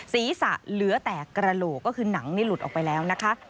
ศีรษะเหลือแต่กระโหลกก็คือหนังนี่หลุดออกไปแล้วนะคะ